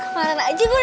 kemaren aja gue nangis ya